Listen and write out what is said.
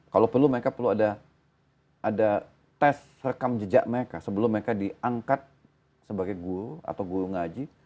kalau perlu mereka perlu ada tes rekam jejak mereka sebelum mereka diangkat sebagai guru atau guru ngaji